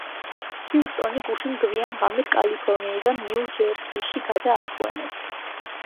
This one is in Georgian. ჰიუსტონი გუშინ გვიან ღამით კალიფორნიიდან ნიუ ჯერსიში გადაასვენეს.